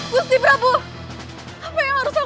kau tidak bisa melakukan apa apa